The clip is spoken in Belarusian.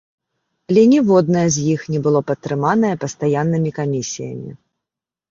Але ніводнае з іх не было падтрыманае пастаяннымі камісіямі.